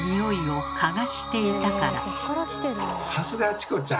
さすがチコちゃん！